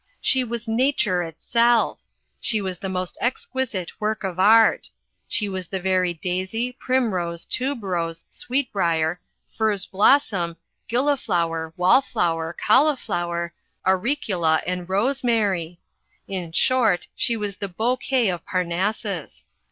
She was nature itself! She was the most exquisite work of art! She was the very daisy, primrose, tuberose, sweet brier, furze blossom, gilliflower, wall flower, cauliflower, auricula, and rosemary! In short, she was the bouquet of Parnassus!